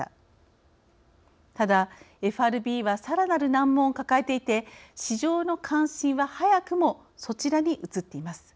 ただＦＲＢはさらなる難問を抱えていて市場の関心は早くもそちらに移っています。